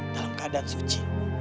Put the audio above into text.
dalam keadaan suci